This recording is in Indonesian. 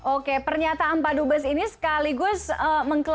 oke pernyataan pak dubes ini sekaligus mengklaim